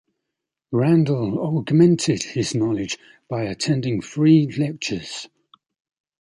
Randal augmented his knowledge by attending free lectures.